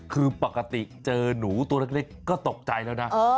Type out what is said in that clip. คือปกติเจอหนูตัวเล็กก็ตกใจแล้วนะ